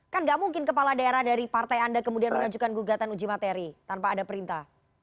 kan gak mungkin kepala daerah dari partai anda kemudian mengajukan gugatan uji materi tanpa ada perintah